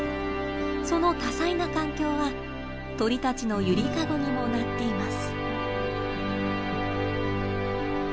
その多彩な環境は鳥たちの揺りかごにもなっています。